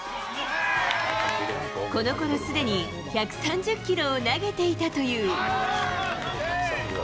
このころ、すでに１３０キロを投げていたという。